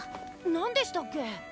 何でしたっけ。